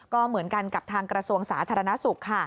ก็เหมือนกันกับทางกระทรวงสาธารณสุขค่ะ